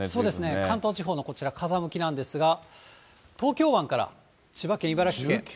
関東地方のこちら、風向きなんですが、東京湾から千葉県、茨城県。